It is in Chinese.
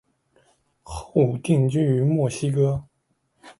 后定居于墨西哥。